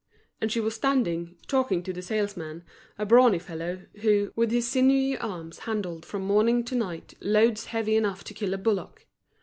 And she was standing, talking to the salesman, a brawny fellow, who, with his sinewy arms handled from morning to night loads heavy enough to kill a bullock.